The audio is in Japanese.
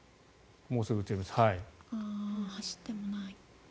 走ってもない。